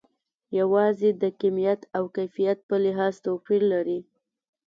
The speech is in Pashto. یوازې د کمیت او کیفیت په لحاظ توپیر لري.